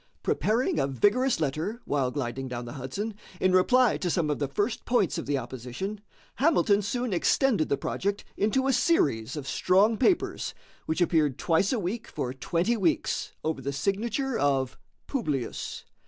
Preparing a vigorous letter, while gliding down the Hudson, in reply to some of the first points of the opposition, Hamilton soon extended the project into a series of strong papers, which appeared twice a week for twenty weeks over the signature of "Publius."